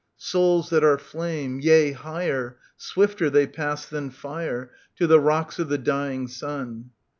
Souls that are flame ; yea, higher, Swifter they pass than fire. To the rocks of the dying Sun.